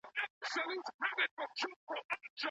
ولي د خپلو موخو لپاره پرله پسي کار د بریا بنسټ دی؟